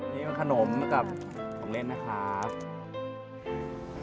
นี่เป็นขนมกับของเล่นนะครับ